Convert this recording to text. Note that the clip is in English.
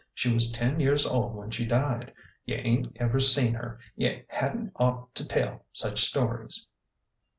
She was ten years old when she died. You ain't ever seen her. You hadn't ought to tell such stories."